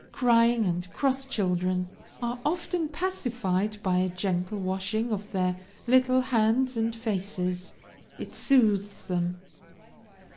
Crying and cross children are often pacified by a gentle washing of their little hands and faces it soothes them.